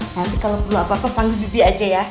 nanti kalo perlu apa apa panggil bibi aja ya